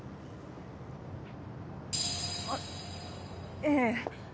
あっええ。